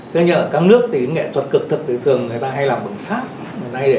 tuy nhiên ở các nước thì nghệ thuật cực thực thì thường người ta hay làm bằng sát này để trong nhà thôi